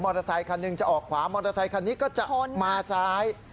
เตอร์ไซคันหนึ่งจะออกขวามอเตอร์ไซคันนี้ก็จะมาซ้าย